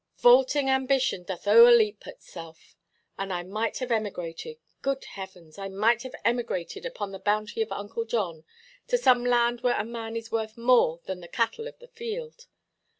'Vaulting ambition doth oʼerleap itself.' And I might have emigrated—good Heavens! I might have emigrated upon the bounty of Uncle John, to some land where a man is worth more than the cattle of the field.